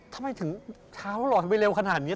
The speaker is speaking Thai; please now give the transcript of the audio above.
ทำไมถึงเช้าเหรอทำไมเร็วขนาดนี้